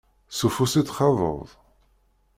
S ufus i t-txaḍeḍ?